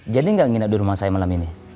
jadi gak nginep di rumah saya malam ini